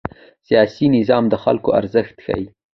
سیاسي نظام د خلکو اراده ښيي